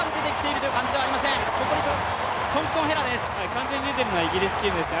完全に出ているのはイギリスチームですね。